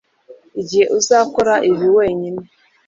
igihe uzakora ibi wenyine